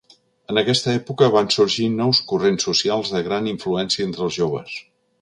En aquesta època van sorgir nous corrents socials de gran influència entre els joves.